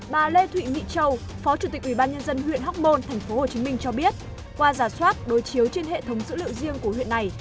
bà lê thụy mỹ châu phó chủ tịch ubnd huyện hóc môn tp hcm cho biết qua giả soát đối chiếu trên hệ thống dữ liệu riêng của huyện này